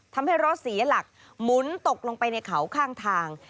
ทำให้รถเสียหลักหมุนตกลงไปในเขาข้างทาง